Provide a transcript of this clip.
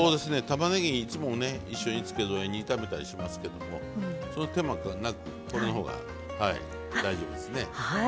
たまねぎいつもね一緒に付け添えに炒めたりしますけどその手間なくこれのほうが大丈夫ですね。